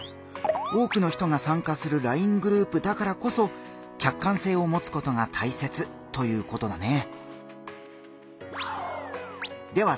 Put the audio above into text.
多くの人が参加するＬＩＮＥグループだからこそ客観性をもつことがたいせつということだね。